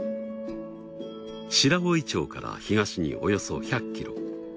白老町から東におよそ１００キロ。